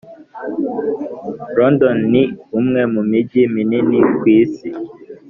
london ni umwe mu mijyi minini ku isi.